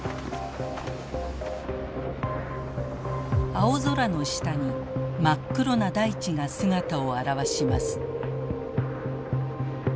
青空の下に真っ黒な大地が姿を現します。